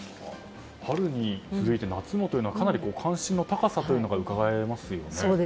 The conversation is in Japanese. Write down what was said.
春に続いて夏もというのはかなり関心の高さというのがうかがえますね。